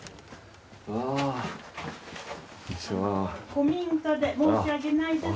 古民家で申し訳ないです。